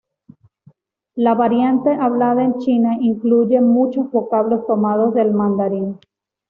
La variante hablada en China incluye muchos vocablos tomados del mandarín.